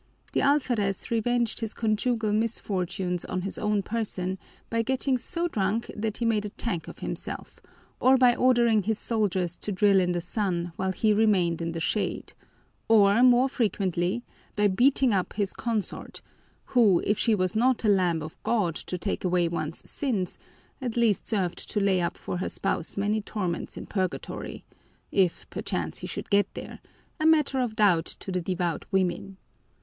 The alferez revenged his conjugal misfortunes on his own person by getting so drunk that he made a tank of himself, or by ordering his soldiers to drill in the sun while he remained in the shade, or, more frequently, by beating up his consort, who, if she was not a lamb of God to take away one's sins, at least served to lay up for her spouse many torments in Purgatory if perchance he should get there, a matter of doubt to the devout women.